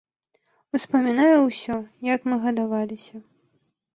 Успамінае ўсё, як мы гадаваліся.